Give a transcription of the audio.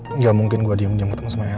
tidak mungkin saya diam diam bertemu sama elsa